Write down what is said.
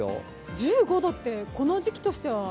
１５度って、この時期としては？